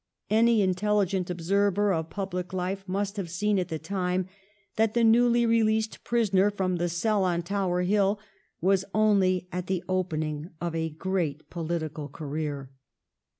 Any intelligent observer of public life must have seen, at the time, that the newly released prisoner from the cell on Tower Hill was only at the opening of a great political career.